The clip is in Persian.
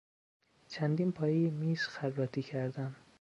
چندین پایهی میز خراطی کردن